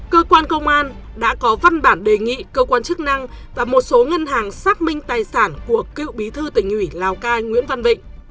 cơ quan công an đã có văn bản đề nghị cơ quan chức năng và một số ngân hàng xác minh tài sản của cựu bí thư tỉnh ủy lào cai nguyễn văn vịnh